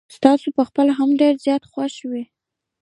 تاسو په خپله هم ډير زيات خوښ وې.